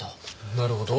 なるほど。